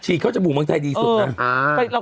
เข้าจมูกเมืองไทยดีสุดนะ